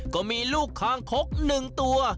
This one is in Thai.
ก็มีลูกคางคกหนึ่งตัว